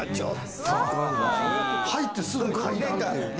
入ってすぐ階段っていう。